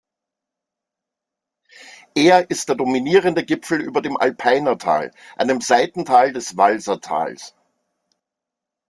Er ist der dominierende Gipfel über dem Alpeiner Tal, einem Seitental des Valser Tals.